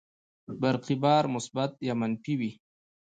برقي بار مثبت یا منفي وي.